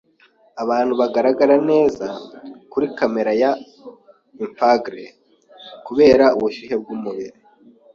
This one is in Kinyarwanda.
Abantu bagaragara neza kuri kamera ya infragre kubera ubushyuhe bwumubiri.